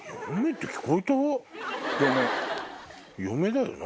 嫁だよな。